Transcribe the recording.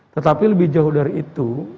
tetapi lebih jauh dari itu